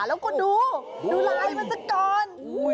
เดี๋ยวก่อนดูดูลายมันสักก่อน